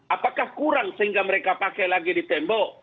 apakah kurang sehingga mereka pakai lagi di tembok